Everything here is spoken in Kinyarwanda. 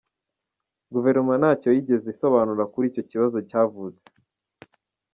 Guverinoma ntacyo yigeze isobanura kuri icyo kibazo cyavutse.